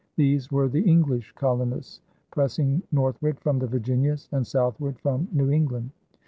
These were the English colonists, pressing northward from the Virginias and southward from New England.